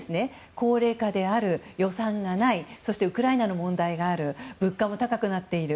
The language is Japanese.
高齢化である、予算がないそしてウクライナの問題がある物価も高くなっている。